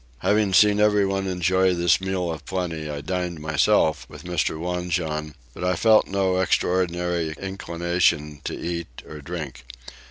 Having seen everyone enjoy this meal of plenty I dined myself with Mr. Wanjon; but I felt no extraordinary inclination to eat or drink.